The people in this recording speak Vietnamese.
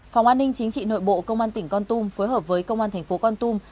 phòng an ninh chính trị nội bộ công an tỉnh con tum phối hợp với công an thành phố con tum